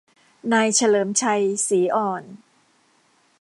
นายเฉลิมชัย ศรีอ่อน